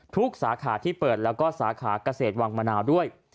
สาขาที่เปิดแล้วก็สาขาเกษตรวังมะนาวด้วย